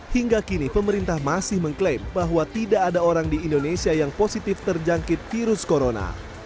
hingga kini pemerintah masih mengklaim bahwa tidak ada orang di indonesia yang positif terjangkit virus corona